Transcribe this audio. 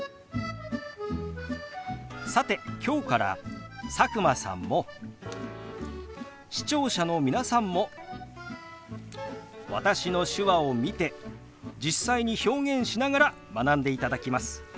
さて今日から佐久間さんも視聴者の皆さんも私の手話を見て実際に表現しながら学んでいただきます。